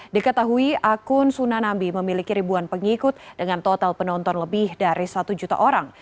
diketahui akun sunanambi memiliki ribuan pengikut dengan total penonton lebih dari satu juta orang